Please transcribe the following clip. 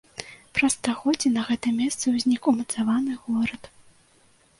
Праз стагоддзе на гэтым месцы ўзнік умацаваны горад.